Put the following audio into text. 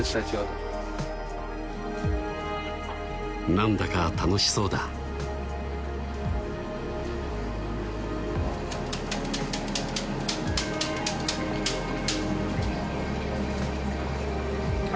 何だか楽しそうだあ